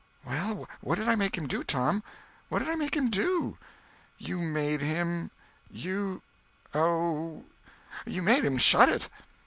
Well? What did I make him do, Tom? What did I make him do?" "You made him—you—Oh, you made him shut it."